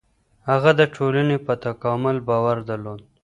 هغه د ټولني په تکامل باور درلود.